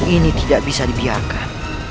ini tidak bisa dibiarkan